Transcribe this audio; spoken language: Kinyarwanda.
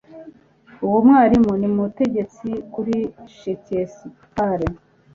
Uwo mwarimu ni umutegetsi kuri Shakespeare.